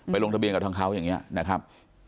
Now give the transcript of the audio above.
ไปโรงทะเบียนกับทางเค้า